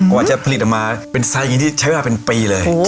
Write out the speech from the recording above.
ว่าจะผลิตออกมาเป็นไซส์อย่างนี้ที่ใช้เวลาเป็นปีเลย